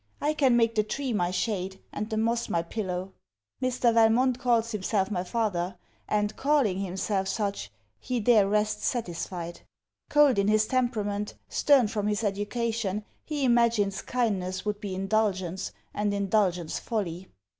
I can make the tree my shade, and the moss my pillow. Mr. Valmont calls himself my father; and calling himself such, he there rests satisfied. Cold in his temperament, stern from his education, he imagines kindness would be indulgence, and indulgence folly.